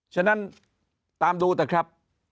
ฉะนั้นตามดูนะครับ